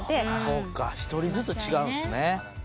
そうか一人ずつ違うんですね。